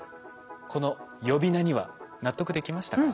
この呼び名には納得できましたか？